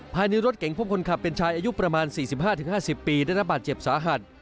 ภายในรถเก๋งพบคนขับเป็นชายอายุประมาณ๔๕๕๐ปีได้รับบาดเจ็บสาหัส